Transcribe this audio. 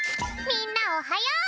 みんなおはよう！